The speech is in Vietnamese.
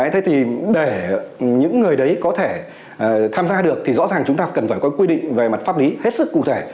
thế thì để những người đấy có thể tham gia được thì rõ ràng chúng ta cần phải có quy định về mặt pháp lý hết sức cụ thể